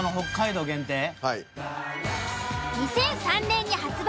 ２００３年に発売。